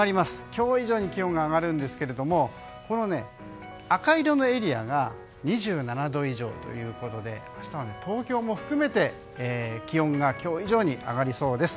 今日以上に気温が上がるんですがこの赤色のエリアが２７度以上ということで明日は、東京も含めて気温が今日以上に上がりそうです。